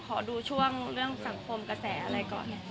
ขอดูช่วงเรื่องสังคมกระแสอะไรก่อน